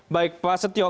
baik pak setio